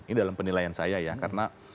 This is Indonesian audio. ini dalam penilaian saya ya karena